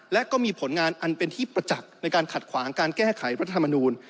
และก็มีผลงานอันเป็นที่ประจักษ์ในการขัดขวางการแก้ไขรัฐธรรมนูล